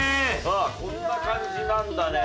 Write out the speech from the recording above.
ああこんな感じなんだね。